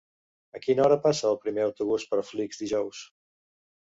A quina hora passa el primer autobús per Flix dijous?